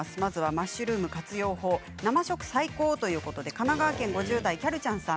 マッシュルーム活用法について生食最高ということで神奈川県５０代の方です。